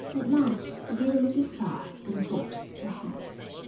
At last he gave a little sigh and dropped the hat.